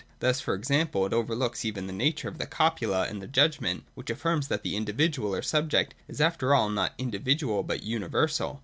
Thus, for example, it overlooks even the nature of the copula in the judg ment, which affirms that the individual, or subject, is after all not individual, but universal.